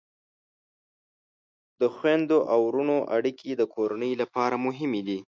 د خویندو او ورونو اړیکې د کورنۍ لپاره مهمې دي.